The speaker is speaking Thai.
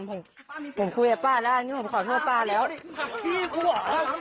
ผมผมคุยกับป้าแล้วอันนี้ผมขอโทษป้าแล้ว